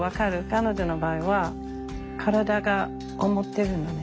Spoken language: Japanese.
彼女の場合は体が思ってるのね。